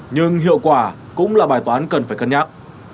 nhưng hiệu quả cũng là bài toán cần phải cân nhắc